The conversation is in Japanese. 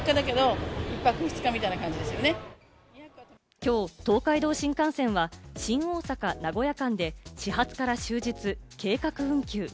きょう東海道新幹線は新大阪‐名古屋間で始発から終日、計画運休。